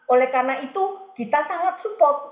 oleh karena itu kita sangat support